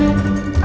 untuk make game ini